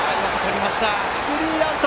スリーアウト！